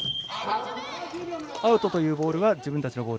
アウトというボールは自分たちのボール